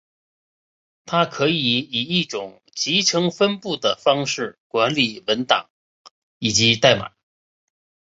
它可以以一种集成分布的方式管理文档以及代码。